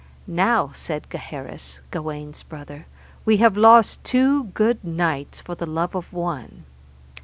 Now, said Gaheris, Gawaine's brother, we have lost two good knights for the love of one.